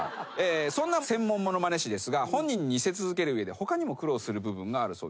そんな専門ものまね師ですが本人に似せ続ける上で他にも苦労する部分があるそうです。